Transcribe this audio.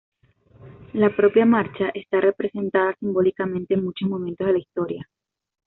La propia marcha está representada simbólicamente en muchos momentos de la historia.